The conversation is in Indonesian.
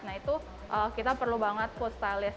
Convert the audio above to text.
nah itu kita perlu banget food stylist